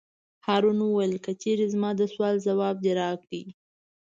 هارون وویل: که چېرې زما د سوال ځواب دې راکړ.